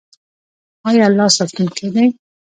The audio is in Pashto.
آیا الله ساتونکی دی؟